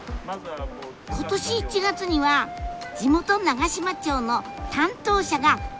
今年１月には地元長島町の担当者が現場を訪問。